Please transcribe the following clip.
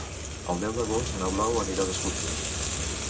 El deu d'agost na Blau anirà d'excursió.